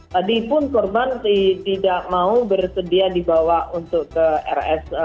tadi pun korban tidak mau bersedia dibawa untuk ke rs